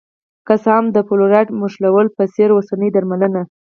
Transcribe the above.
که څه هم د فلورایډ موښلو په څېر اوسنۍ درملنه